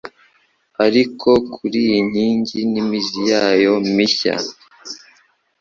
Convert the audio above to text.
Ariko kuriyi nkingi n'imizi yayo mishya